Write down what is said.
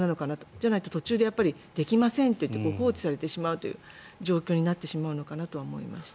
じゃないと、途中でできませんといって放置されてしまうという状況になってしまうのかなと思いました。